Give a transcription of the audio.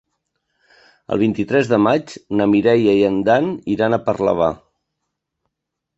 El vint-i-tres de maig na Mireia i en Dan iran a Parlavà.